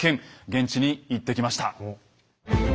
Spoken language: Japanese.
現地に行ってきました。